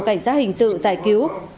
cảnh sát hình sự giải cứu